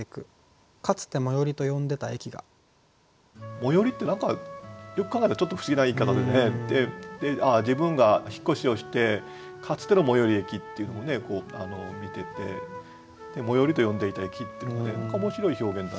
最寄りって何かよく考えたらちょっと不思議な言い方でね自分が引っ越しをしてかつての最寄り駅っていうのを見てて「最寄りと呼んでた駅」ってのがね面白い表現だな。